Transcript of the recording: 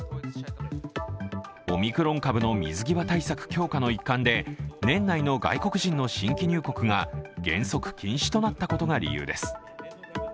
オミクロン株の水際対策強化の一環で年内の外国人の新規入国が原則禁止となったことが理由です。